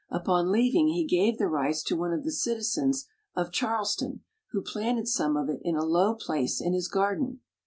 Upon leaving he gave the rice to one of the citizens of Charleston, who planted some of it in a low place in his garden.